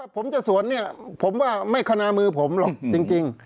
ผมจะสวนเนี่ยช่วงนี้นี่ผมว่าไม่คณามือผมหรอกจริง